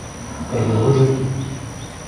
Elle est rejetée..